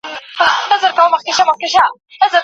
د شپې لخوا دروند خواړه مه خورئ.